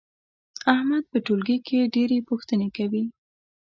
احمد په ټولګي کې ډېر پوښتنې کوي.